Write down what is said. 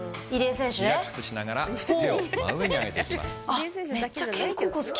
リラックスしながら手を真上に上げていきます。